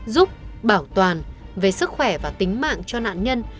giúp bảo toàn về sức khỏe và tính mạng cho nạn nhân